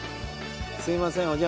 すいません。